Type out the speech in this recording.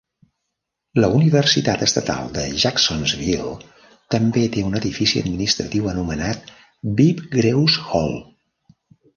La Universitat Estatal de Jacksonville també té un edifici administratiu anomenat Bibb Greus Hall.